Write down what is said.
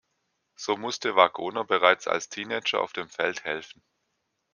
So musste Wagoner bereits als Teenager auf dem Feld helfen.